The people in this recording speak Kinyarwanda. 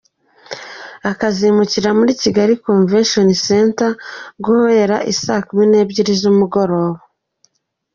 Azakimurikira muri Kigali Convention Centre guhera isaa kumi n'ebyiri z'umugoroba.